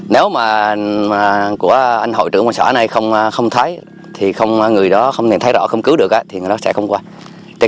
nếu mà của anh hội trưởng quan sở này không thấy thì người đó không thể thấy rõ không cứu được thì người đó sẽ không qua